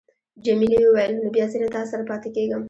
جميلې وويل: نو بیا زه له تا سره پاتېږم.